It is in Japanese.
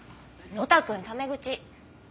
呂太くんタメ口。